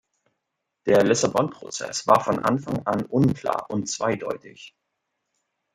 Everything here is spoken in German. Der Lissabon-Prozess war von Anfang an unklar und zweideutig.